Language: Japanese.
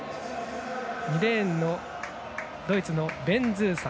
２レーンのドイツのベンズーザン。